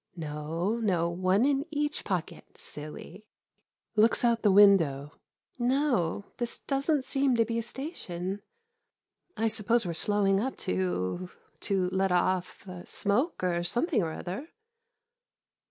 No, no — one in each pocket, silly. [Looks out the window.] No — this does n't seem to be a station. I suppose we 're slowing up to — to let off — smoke, or something or other.